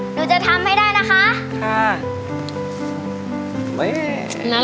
หนูจะทำให้ได้นะคะ